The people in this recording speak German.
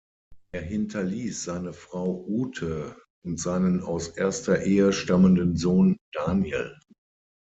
Er hinterließ seine Frau Ute und seinen aus erster Ehe stammenden Sohn Daniel.